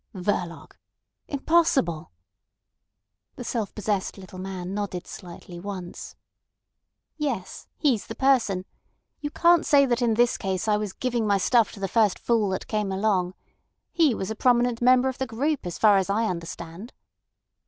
"Verloc! Impossible." The self possessed little man nodded slightly once. "Yes. He's the person. You can't say that in this case I was giving my stuff to the first fool that came along. He was a prominent member of the group as far as I understand."